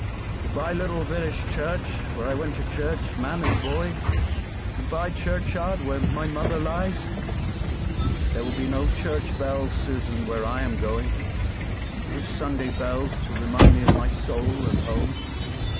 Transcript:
"Good by, little village church, where I went to church man and boy; good by, churchyard, where my mother lies; there will be no church bells, Susan, where I am going; no Sunday bells to remind me of my soul and home."